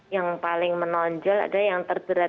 yang paling menonjol ada yang terberat